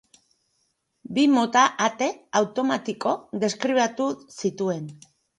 Bi mota ate automatiko deskribatu zituen.